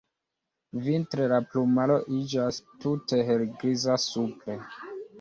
Vintre la plumaro iĝas tute helgriza supre.